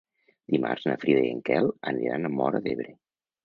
Dimarts na Frida i en Quel aniran a Móra d'Ebre.